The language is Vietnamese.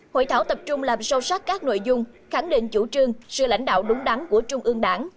hội thảo tập trung làm sâu sắc các nội dung khẳng định chủ trương sự lãnh đạo đúng đắn của trung ương đảng